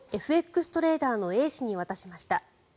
・ＦＸトレーダーのＡ氏に渡しました。